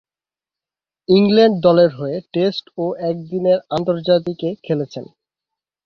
England cricket দলের হয়ে test ও একদিনের আন্তর্জাতিকে খেলেছেন।